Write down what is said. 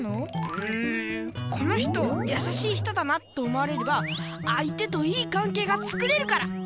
うんこの人やさしい人だなと思われれば相手といい関係がつくれるから！